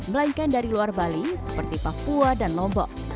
melainkan dari luar bali seperti papua dan lombok